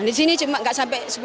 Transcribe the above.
di sini cuma tidak sampai rp sepuluh